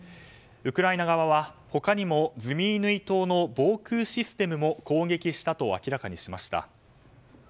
ウクライナ側は他にもズミイヌイ島の防空システムも攻撃したと明らかにしました。